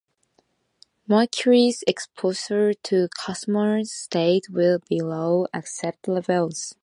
Mercury exposure to consumers stayed well below accepted levels.